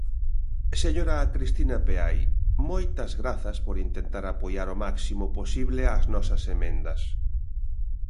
Señora Cristina Peai, moitas grazas por intentar apoiar o máximo posible as nosas emendas.